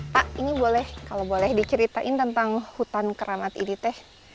pak ini boleh kalau boleh diceritain tentang hutan keramat ini teh